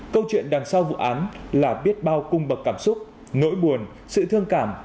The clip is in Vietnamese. câu chuyện đằng sau vụ án là biết bao cung bậc cảm xúc nỗi buồn sự thương cảm